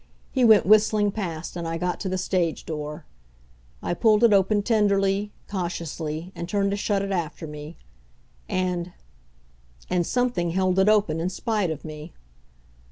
He went whistling past and I got to the stage door. I pulled it open tenderly, cautiously, and turned to shut it after me. And And something held it open in spite of me.